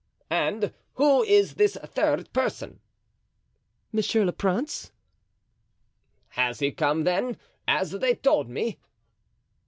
"And who is this third person?" "Monsieur le Prince." "He has come, then, as they told me?"